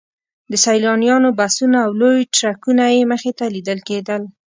د سیلانیانو بسونه او لوی ټرکونه یې مخې ته لیدل کېدل.